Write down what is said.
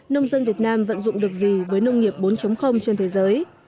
nông dân việt nam vận dụng được gì với nông nghiệp bốn trên thế giới